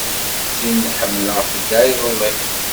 Tin ḥemmleɣ tedda iḍelli.